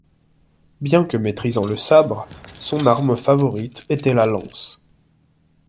Bien que maitrisant le sabre, son arme favorite était la lance.